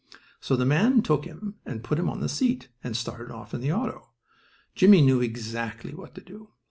So the man took him and put him on the seat and started off in the auto. Jimmie knew exactly what to do.